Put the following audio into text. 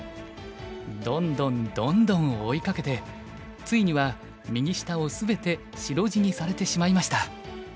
どんどんどんどん追いかけてついには右下を全て白地にされてしまいました。